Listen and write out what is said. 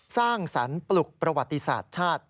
สร้างสรรค์ปลุกประวัติศาสตร์ชาติ